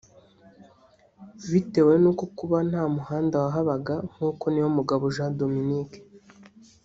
bitewe no kuba nta muhanda wahabaga nk’uko Niyomugabo Jean Dominique